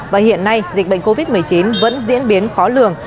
và hiện nay dịch bệnh covid một mươi chín vẫn diễn biến khó lường